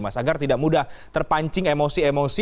mas agar tidak mudah terpancing emosi emosi